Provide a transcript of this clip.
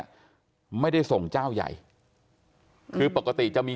ความปลอดภัยของนายอภิรักษ์และครอบครัวด้วยซ้ำ